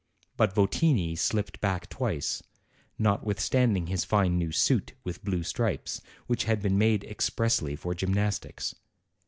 But Votini slipped back twice, notwithstanding his fine new suit with blue stripes, which had been made expressly for gymnastics.